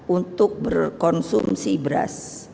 untuk berkonsumsi beras